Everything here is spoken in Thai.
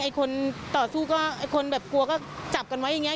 คนต่อสู้ก็ไอ้คนแบบกลัวก็จับกันไว้อย่างนี้